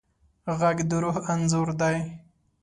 غږ د روح انځور دی